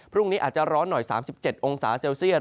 พรุ่งนี้อาจจะร้อนหน่อย๓๗องศาเซลเซียต